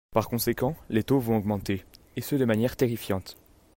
Par conséquent, les taux vont augmenter, et ce de manière terrifiante.